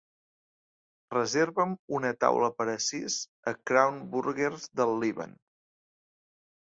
Reserva'm una taula per a sis a Crown Burgers del Líban.